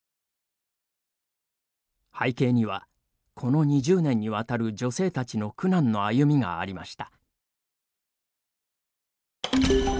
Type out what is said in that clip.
背景にはこの２０年にわたる、女性たちの苦難の歩みがありました。